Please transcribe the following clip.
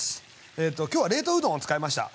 えと今日は冷凍うどんを使いました。